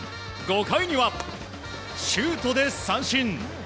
５回にはシュートで三振。